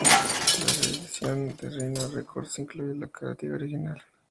La re-edición de Rhino Records incluye la carátula original.